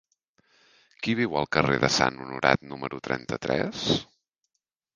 Qui viu al carrer de Sant Honorat número trenta-tres?